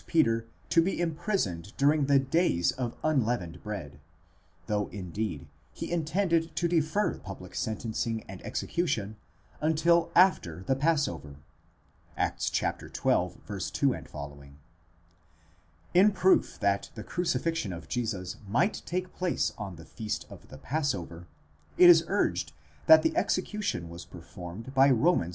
Peter to be imprisoned during the days of unleavened bread ; though indeed he intended to defer the public sentencing and execution until after the passover (Acts xii. 2f.). In proof that the crucifixion of Jesus might take place on the feast of the passover, it is urged that the execution was performed by Roman.